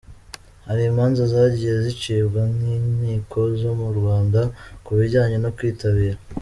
Hari imanza zagiye zicibwa n’inkiko zo mu Rwanda ku bijyanye no “Kwitabara”.